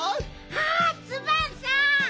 あっツバンさん。